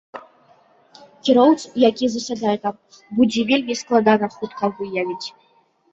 Кіроўцу, які засядзе там, будзе вельмі складана хутка выявіць.